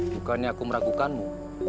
bukannya aku meragukanmu